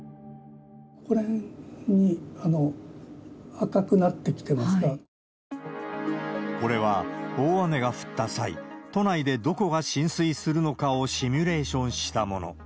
ここら辺、これは、大雨が降った際、都内でどこが浸水するのかをシミュレーションしたもの。